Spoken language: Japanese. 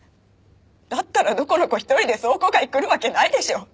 だったらのこのこ一人で倉庫街来るわけないでしょ。